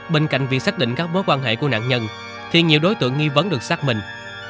bên cạnh việc xác định các mối quan hệ của nạn nhân thì nhiều đối tượng nghi vấn được xác minh